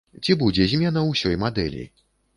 Ці будзе змена ўсёй мадэлі?